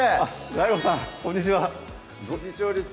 ＤＡＩＧＯさんこんにちは調理師